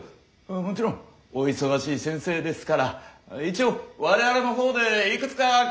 もちろんお忙しい先生ですから一応我々のほうでいくつか考えております。